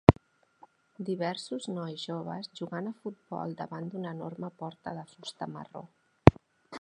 diversos nois joves jugant a futbol davant d'una enorme porta de fusta marró